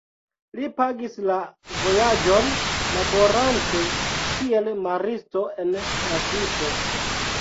Li pagis la vojaĝon laborante kiel maristo en la ŝipo.